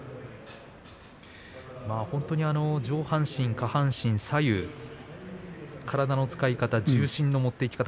本当に上半身下半身、左右体の使い方、重心の持っていき方